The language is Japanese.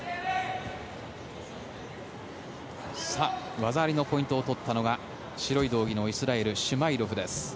技ありのポイントを取ったのが白い道着のイスラエルシュマイロフです。